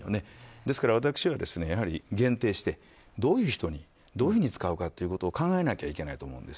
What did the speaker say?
ですから、私はやはり限定してどういう人にどういうふうに使うかを考えなきゃいけないと思うんです。